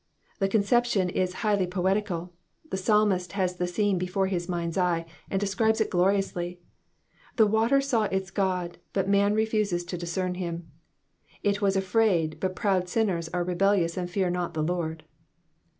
The conception is highly poetical, the psalmist has the scene before liis mind's eye, and aescribes it gloriously. The water saw its Qod, but man refuses to discern him ; it was afraid, but proud sinners are rebellious and fear not the Lord.